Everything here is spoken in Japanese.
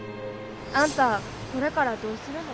あんたこれからどうするの？